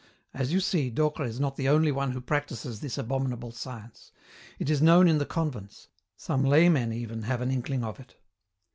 As you see, Docre is not the only one who practises this abominable science. It is known in the convents; some laymen, even, have an inkling of it."